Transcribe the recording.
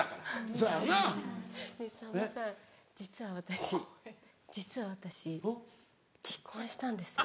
そやよな。ねぇさんまさん実は私実は私離婚したんです。